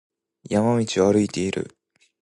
山道を歩いている。